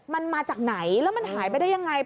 มันมาจากไหนแล้วมันหายไปได้ยังไง